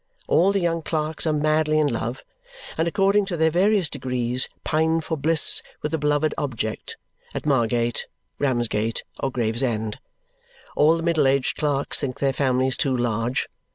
All the young clerks are madly in love, and according to their various degrees, pine for bliss with the beloved object, at Margate, Ramsgate, or Gravesend. All the middle aged clerks think their families too large.